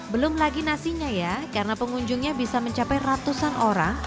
belum lagi nasinya ya karena pengunjungnya bisa mencapai ratusan orang